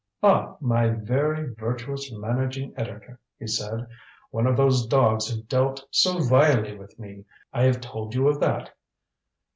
"Ah my very virtuous managing editor," he said. "One of those dogs who dealt so vilely with me I have told you of that.